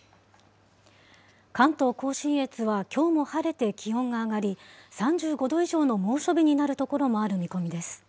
関東甲信越はきょうも晴れて気温が上がり、３５度以上の猛暑日になる所もある見込みです。